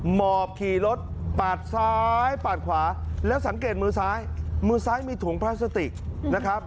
หมอบขี่รถตัดซ้ายตัดขวาและสังเกตมือซ้ายมีถุงพลาสติกนะครับ